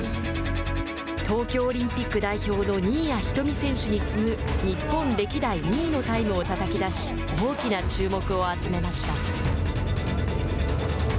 東京オリンピック代表の新谷仁美選手に次ぐ日本歴代２位のタイムをたたき出し大きな注目を集めました。